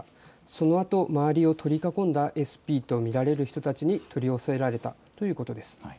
そのあと周りを取り囲んだＳＰと見られる人たちに取り押さえられたということです。